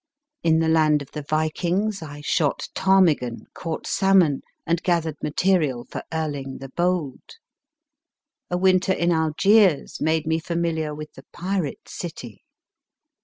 In the land of the Vikings I shot ptarmigan, caught salmon, and gathered material for Erling the Bold. A winter in Algiers made me familiar with the Pirate City.